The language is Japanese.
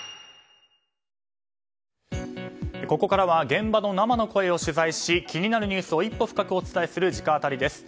ここからは現場の生の声を取材し気になるニュースを一歩深くお伝えする直アタリです。